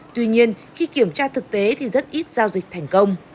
tuy nhiên khi kiểm tra thực tế thì rất ít giao dịch thành công